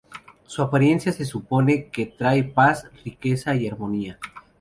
Su apariencia se supone que trae paz, riqueza y armonía.